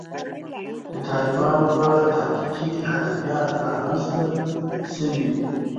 د طالبانو په اړه تحقیقي ادبیات رامنځته شوي.